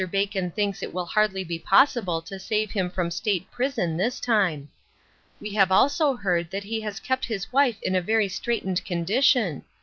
Bacon thinks it will hardly be possible to save him from state prison this time. We have also heard that he has kept his wife in a very straightened condition.